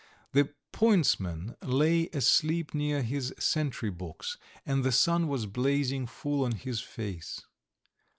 The pointsman lay asleep near his sentry box, and the sun was blazing full on his face.